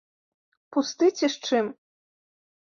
Пусты ці з чым?